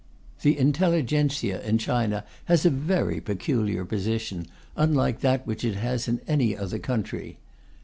The intelligentsia in China has a very peculiar position, unlike that which it has in any other country.